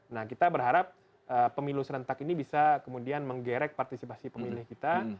nah kita berharap pemilu serentak ini bisa kemudian menggerek partisipasi pemilih kita